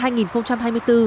trong năm hai nghìn hai mươi bốn